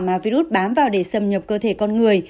mà virus bám vào để xâm nhập cơ thể con người